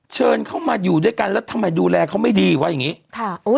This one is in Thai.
เชิญเข้ามาอยู่ด้วยกันแล้วทำไมดูแลเขาไม่ดีว่าอย่างงี้ค่ะโอ้ย